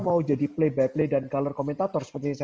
mau jadi play by play dan color komentator